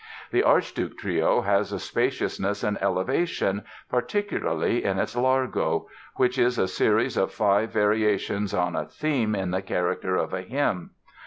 The "Archduke" Trio has a spaciousness and elevation, particularly in its Largo, which is a series of five variations on a theme in the character of a hymn.